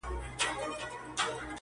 هم نسترن هم یې چینار ښکلی دی.!